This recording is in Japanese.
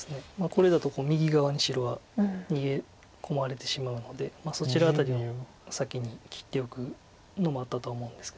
これだと右側に白は逃げ込まれてしまうのでそちら辺りを先に切っておくのもあったとは思うんですけど黒。